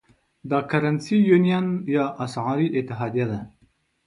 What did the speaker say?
دا Currency Union یا اسعاري اتحادیه ده.